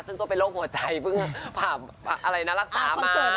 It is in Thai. ซึ่งก็เป็นโรคหัวใจเพิ่งผ่าอะไรนะรักษามา